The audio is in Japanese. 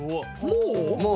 もう。